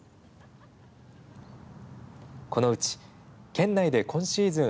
このうち県内で今シーズン